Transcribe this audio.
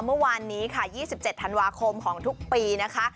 เมื่อวานนี้ค่ะ๒๗ธันวาคมของทุกปีนะคะ